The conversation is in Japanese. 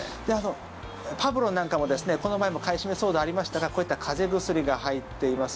パブロンなんかも、この前も買い占め騒動ありましたがこういった風邪薬が入っています。